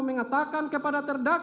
mengatakan kebenaran dan kebenaran